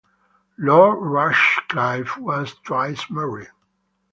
Lord Rushcliffe was twice married.